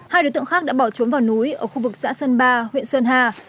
hai đối tượng khác đã bỏ trốn vào núi ở khu vực xã sơn ba huyện sơn hà